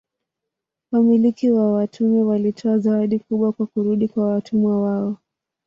Wamiliki wa watumwa walitoa zawadi kubwa kwa kurudi kwa watumwa wao.